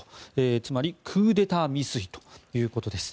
つまりクーデター未遂ということです。